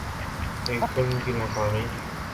ایک فلم کی ناکامی